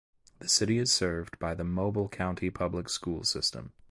The city is served by the Mobile County Public School System.